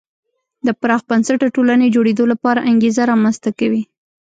د پراخ بنسټه ټولنې جوړېدو لپاره انګېزه رامنځته کوي.